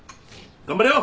頑張れよ！